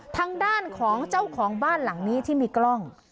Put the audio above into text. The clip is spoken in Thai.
ทางด้านของเจ้าของบ้านหลังนี้ที่มีกล้อง